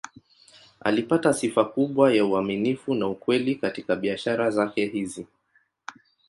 Alipata sifa kubwa ya uaminifu na ukweli katika biashara zake hizi.